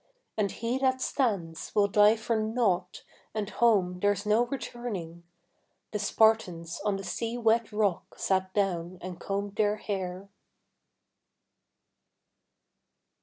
And he that stands will die for nought, and home there's no returning. The Spartans on the sea wet rock sat down and combed their hair.